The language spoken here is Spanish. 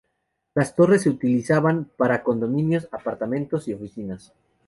Las torres se utilizaban para condominios, apartamentos y oficinas.